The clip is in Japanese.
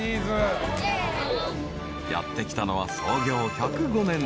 ［やって来たのは創業１０５年。